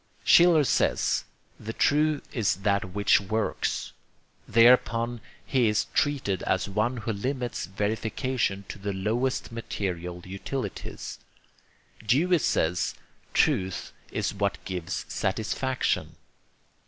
Schiller says the true is that which 'works.' Thereupon he is treated as one who limits verification to the lowest material utilities. Dewey says truth is what gives 'satisfaction.'